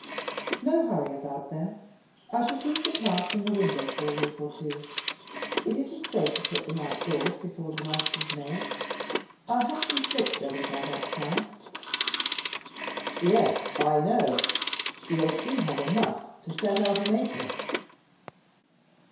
"No hurry about them. I shall keep the plants in the window for a week or two. It isn't safe to put them outdoors before the last of May. I'll have some slips ready by that time." "Yes, I know. You'll soon have enough to set out an acre."